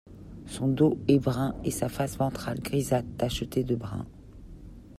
Son dos est brun et sa face ventrale grisâtre tacheté de brun.